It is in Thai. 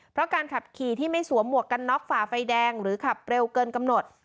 เพราะการขับขี่ที่ไม่สวมหมวกกันน็อกฝ่าไฟแดงหรือขับเร็วเกินกำหนด